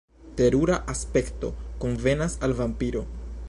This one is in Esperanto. Terura aspekto konvenas al vampiro.